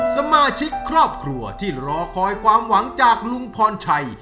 สมาชิกครอบครัวที่รอคอยความหวังจากลุงพรชัย